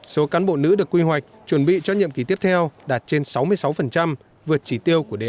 số cán bộ nữ được quy hoạch chuẩn bị cho nhiệm kỳ tiếp theo đạt trên sáu mươi sáu vượt chỉ tiêu của đề án